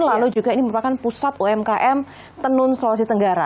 lalu juga ini merupakan pusat umkm tenun sulawesi tenggara